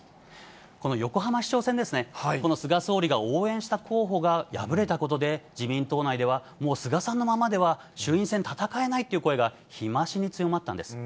この横浜市長選ですね、この菅総理が応援した候補が敗れたことで、自民党内では、もう菅さんのままでは衆院選、戦えないっていう声が日増しに強まったんです。